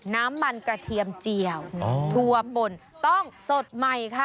น้ำมันกระเทียมเจียวถั่วป่นต้องสดใหม่ค่ะ